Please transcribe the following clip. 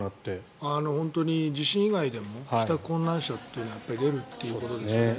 地震以外でも帰宅困難者っていうのは出るっていうことですよね。